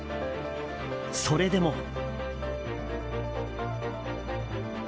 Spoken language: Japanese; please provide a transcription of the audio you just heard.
それでも。